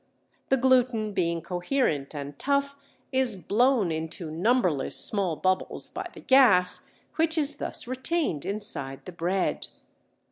The gluten being coherent and tough is blown into numberless small bubbles by the gas, which is thus retained inside the bread.